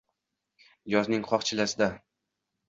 yozning qoq chillasida